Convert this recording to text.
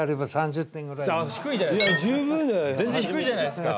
低いじゃないですか。